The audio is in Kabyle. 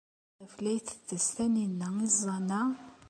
Maɣef ay la tettett Taninna iẓẓan-a?